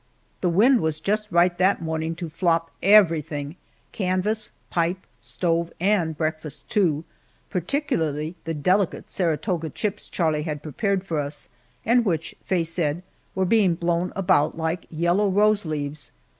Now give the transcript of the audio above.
The wind was just right that morning to flop everything canvas, pipe, stove, and breakfast, too particularly the delicate Saratoga chips Charlie had prepared for us, and which, Faye said, were being blown about like yellow rose leaves.